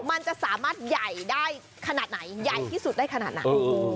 มันจะสามารถใหญ่ได้ขนาดไหนใหญ่ที่สุดได้ขนาดไหน